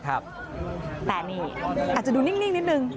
แต่นี่อาจจะดูนิ่งนิดนึง